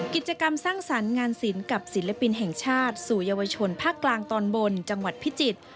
กิจกรรมสร้างสรรค์งานศิลป์กับศิลปินแห่งชาติสู่เยาวชนภาคกลางตอนบนจังหวัดพิจิตร